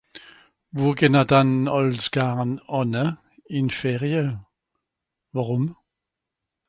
Wo gehn'r dann àls garn ànne, ìn d'Ferie ? Worùm ?